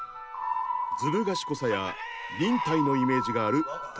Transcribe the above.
ずる賢さや忍耐のイメージがある徳川家康。